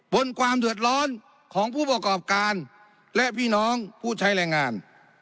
ความเดือดร้อนของผู้ประกอบการและพี่น้องผู้ใช้แรงงาน